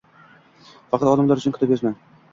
Faqat olimlar uchun kitob yozma.